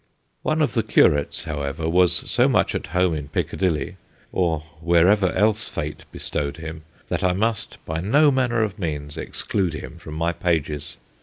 One of the curates, however, was so much at home in Piccadilly or wherever else Fate be stowed him, that I must, by no manner of means, exclude him from my pages.